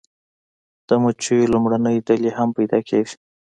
د مچیو لومړنۍ ډلې هم پیدا کیږي